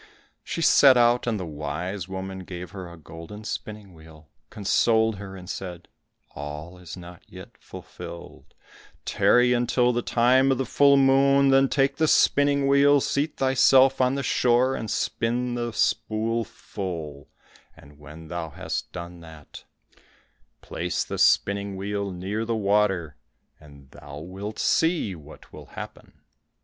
She set out, and the wise woman gave her a golden spinning wheel, consoled her and said, "All is not yet fulfilled, tarry until the time of the full moon, then take the spinning wheel, seat thyself on the shore, and spin the spool full, and when thou hast done that, place the spinning wheel near the water, and thou wilt see what will happen."